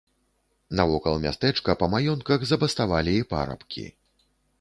Навокал мястэчка па маёнтках забаставалі і парабкі.